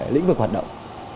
lĩnh vực hoạt động